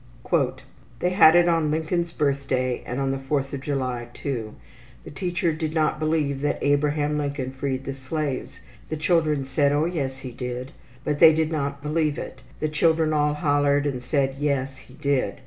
``They had it on Lincoln's birthday and on the 4th of July, too. The teacher did not believe that Abraham Lincoln freed the slaves. The children said, oh yes, he did. But they did not believe it. The children all hollered and said yes, he did.